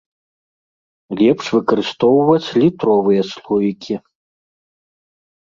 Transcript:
Лепш выкарыстоўваць літровыя слоікі.